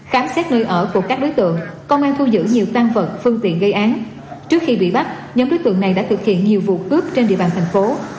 khám xét nơi ở của các đối tượng công an thu giữ nhiều tăng vật phương tiện gây án trước khi bị bắt nhóm đối tượng này đã thực hiện nhiều vụ cướp trên địa bàn thành phố